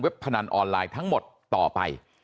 เว็บประนันออนไลน์ทั้งหมดต่อไป